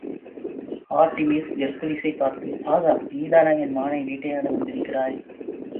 Artemis ஹெர்க்குலிஸைப் பார்த்து, ஆகா, நீதானா என் மானை வேட்டையாட வந்திருக்கிறாய்?